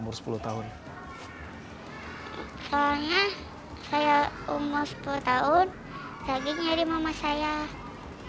soalnya saya umur sepuluh tahun lagi nyari mama saya